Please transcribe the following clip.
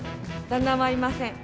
旦那はいません。